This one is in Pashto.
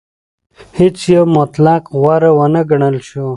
هیڅ یو مطلق غوره ونه ګڼل شو.